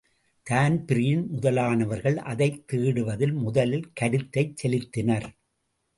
Dan Breen முதலானவர்கள் அதைத் தேடுவதில் முதலில் கருத்தைச் செலுத்தினர்.